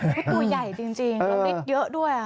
ประตูใหญ่จริงแล้วมิดเยอะด้วย